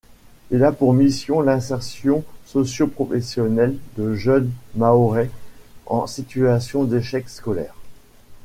Il a pour mission l'insertion socioprofessionnelle de jeunes mahorais en situation d’échec scolaire.